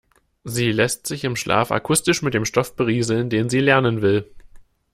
Sie lässt sich im Schlaf akustisch mit dem Stoff berieseln, den sie lernen will.